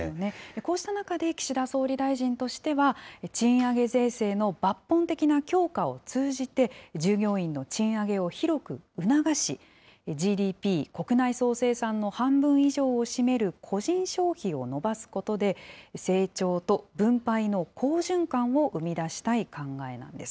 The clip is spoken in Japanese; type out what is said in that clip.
こうした中で、岸田総理大臣としては、賃上げ税制の抜本的な強化を通じて、従業員の賃上げを広く促し、ＧＤＰ・国内総生産の半分以上を占める個人消費を伸ばすことで、成長と分配の好循環を生み出したい考えなんです。